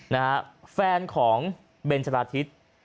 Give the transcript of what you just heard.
นะฮะแฟนของเบนชะลาทิศ